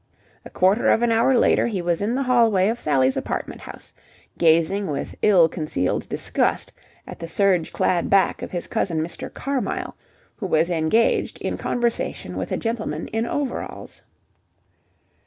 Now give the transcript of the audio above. A quarter of an hour later he was in the hall way of Sally's apartment house, gazing with ill concealed disgust at the serge clad back of his cousin Mr. Carmyle, who was engaged in conversation with a gentleman in overalls.